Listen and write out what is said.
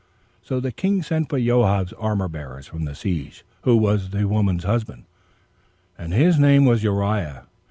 So the king sent for Joab's armor bearer from the siege, who was the woman's husband, and his name was Uriah.